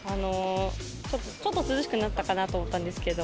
ちょっと、涼しくなったかなと思ったんですけど。